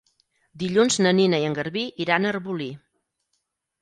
Dilluns na Nina i en Garbí iran a Arbolí.